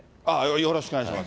よろしくお願いします。